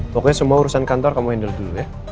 pokoknya semua urusan kantor kamu indoor dulu ya